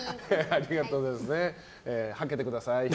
ありがとうございます。